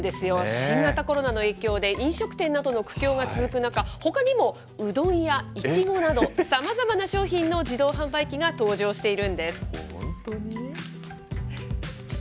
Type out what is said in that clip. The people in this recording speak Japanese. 新型コロナの影響で、飲食店などの苦境が続く中、ほかにもうどんやイチゴなど、さまざまな商品の自動販売機が登場しているんです。